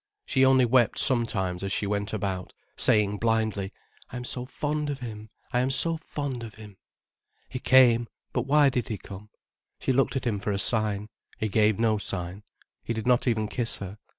She only wept sometimes as she went about, saying blindly: "I am so fond of him, I am so fond of him." He came. But why did he come? She looked at him for a sign. He gave no sign. He did not even kiss her.